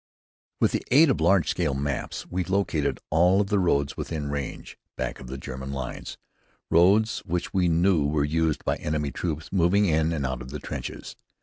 With the aid of large scale maps, we located all of the roads, within range, back of the German lines; roads which we knew were used by enemy troops moving in and out of the trenches.